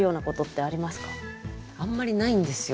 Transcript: あんまりないんですよ。